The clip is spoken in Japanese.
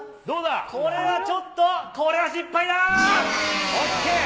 これはちょっと、これは失敗だ！